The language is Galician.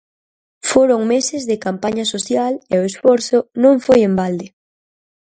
Foron meses de campaña social e o esforzo non foi en balde.